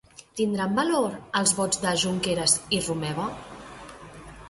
Tindran valor els vots de Junqueras i Romeva?